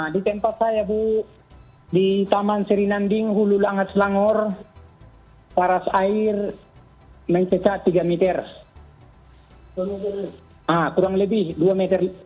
di tempat saya bu di taman sirinanding hulu langat selangor paras air mencetak tiga meter